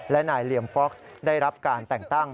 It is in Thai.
และนายเหลี่ยมฟ็อกซ์ได้รับการแต่งตั้ง